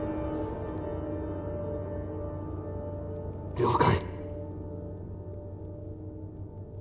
了解。